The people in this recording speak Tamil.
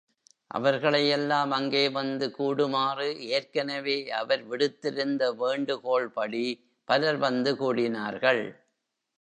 அவர்களை எல்லாம் அங்கே வந்து கூடுமாறு ஏற்கெனவே அவர் விடுத்திருந்த வேண்டுகோள்படி பலர் வந்து கூடினார்கள்.